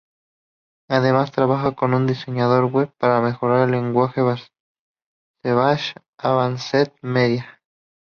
Además trabaja como diseñador web para la Major League Baseball Advanced Media.